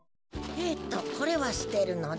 えっとこれはすてるのだ。